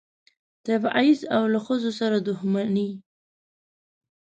تبعیض او له ښځو سره دښمني.